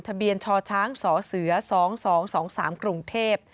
ทะเบียนชช๒๒๒๒๓กรุงเทพ